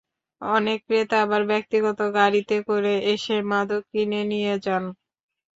অনেক ক্রেতা আবার ব্যক্তিগত গাড়িতে করে এসে মাদক কিনে নিয়ে যান।